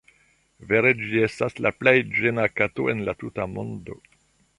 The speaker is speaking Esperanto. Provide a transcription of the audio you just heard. Vere ĝi estas la plej ĝena kato en la tuta mondo.